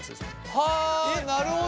はあなるほど。